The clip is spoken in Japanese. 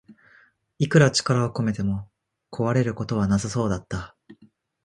いくら力を込めても壊れることはなさそうだった